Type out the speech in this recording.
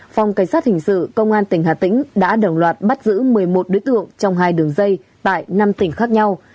phòng cảnh sát hình sự công an tỉnh hà tĩnh đã đồng loạt bắt giữ một mươi một đối tượng trong hai đường dây tại năm tỉnh khác nhau